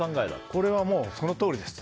これはもうそのとおりです。